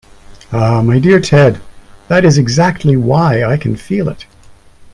Ah, my dear Ted, that is exactly why I can feel it.